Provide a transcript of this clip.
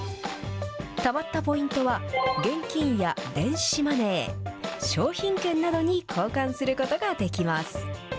たまったポイントは、現金や電子マネー、商品券などに交換することができます。